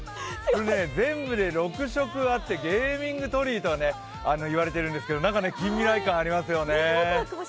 全部で６色あってゲーミング鳥居と言われているんですが、近未来感がありますよね。